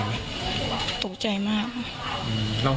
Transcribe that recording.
อืมตอนนั้นห่าน้อยตกใจไหม